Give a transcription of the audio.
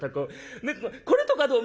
「ねえこれとかどう？